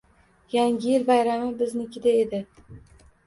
Yangi yil bayrami biznikida edi.